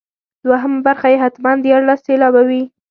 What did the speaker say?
دوهمه برخه یې حتما دیارلس سېلابه وي.